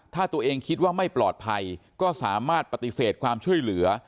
ถ้าตัวเองคิดว่าไม่ปลอดภัยก็สามารถปฏิเสธความช่วยเหลือ